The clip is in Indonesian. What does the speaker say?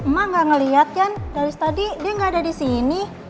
mak gak ngeliat yan dari tadi dia gak ada di sini